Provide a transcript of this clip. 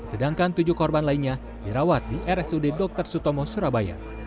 sedangkan tujuh korban lainnya dirawat di rsud dr sutomo surabaya